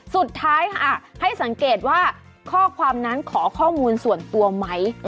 สุดท้ายค่ะให้สังเกตว่าข้อความนั้นขอข้อมูลส่วนตัวไหม